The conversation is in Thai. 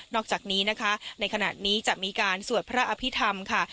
อกจากนี้นะคะในขณะนี้จะมีการสวดพระอภิษฐรรมค่ะ